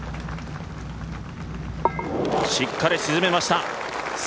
しっかり沈めました。